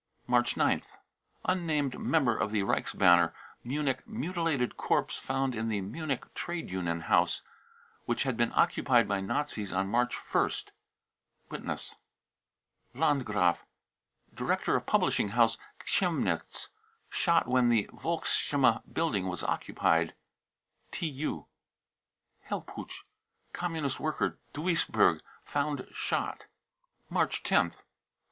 March 9th. unnamed member of the reichsbanner, Munich, mutilated corpse found in the Munich Trade Union House, which had been occupied by Nazis on March 1st. (Witness.) landgraf, director of publishing house, Chemnitz, shot when the Volksstimme building was occupied. {TU.) hellpuch. Communist worker, Duisburg, found shot. {WTB.) March 10th.